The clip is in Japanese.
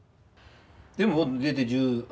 でも出て１０？